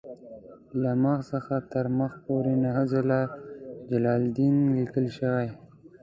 له مخ څخه تر مخ پورې نهه ځله جلالدین لیکل شوی.